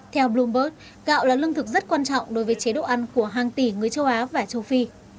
theo bloomberg gạo là lương thực rất quan trọng đối với chế độ ăn của hàng tỷ người châu á và châu phi